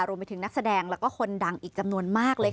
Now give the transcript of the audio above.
นักแสดงแล้วก็คนดังอีกจำนวนมากเลยค่ะ